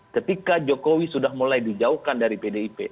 ketika jokowi sudah mulai dijauhkan dari pdip